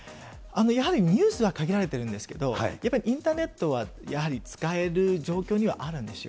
やはりニュースは限られているんですけど、やっぱりインターネットはやはり使える状況にはあるんですよ。